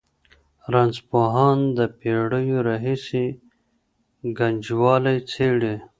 رنځپوهان د پېړیو راهېسې ګنجوالي څېړي.